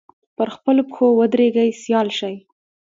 پر خپلو پښو ودرېږي سیال شي